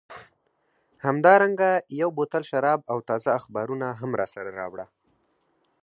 همدارنګه یو بوتل شراب او تازه اخبارونه هم راسره راوړه.